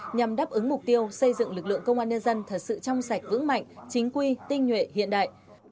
nhằm đáp ứng mục tiêu xây dựng lực lượng công an nhân dân thật sự trong sạch vững mạnh chính quy tinh nhuệ hiện đại